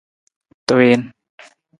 Tuwiin.